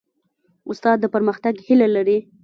استاد د پرمختګ هیله لري.